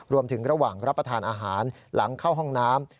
ระหว่างรับประทานอาหารหลังเข้าห้องน้ำ